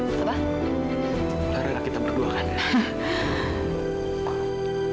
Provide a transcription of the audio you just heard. melarang kita berdua kan